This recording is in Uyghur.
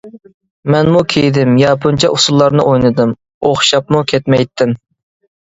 مەنمۇ كىيدىم، ياپونچە ئۇسسۇللارنى ئوينىدىم، ئوخشاپمۇ كەتمەيتتىم.